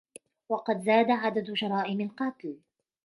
وقد زاد عدد جرائم القتل.